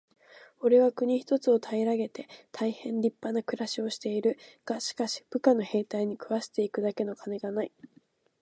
「おれは国一つを平げて大へん立派な暮しをしている。がしかし、部下の兵隊に食わして行くだけの金がない。」